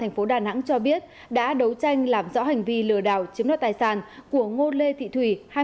thành phố đà nẵng cho biết đã đấu tranh làm rõ hành vi lừa đảo chiếm đoạt tài sản của ngô lê thị thủy